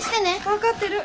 分かってる。